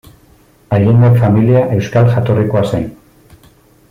Allende familia euskal jatorrikoa zen.